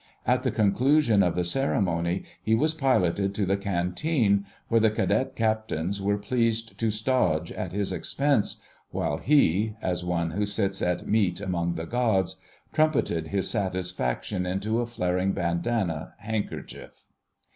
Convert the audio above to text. At the conclusion of the ceremony he was piloted to the Canteen, where the Cadet Captains were pleased to "stodge" at his expense, while he—as one who sits at meat among the gods—trumpeted his satisfaction into a flaring bandana handkerchief.